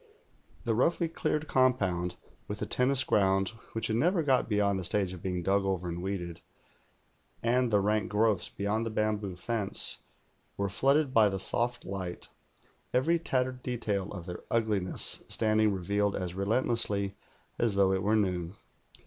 The roughly cleared compound, with the tennis ground which had never got beyond the stage of being dug over and weeded, and the rank growi:hs beyond the bamboo fence, were flooded by the soft light, every tattered detail of their ugliness standing revealed as relentlessly as though it were noon.